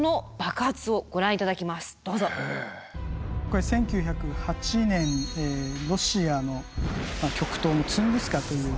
これ１９０８年ロシアの極東のツングースカという。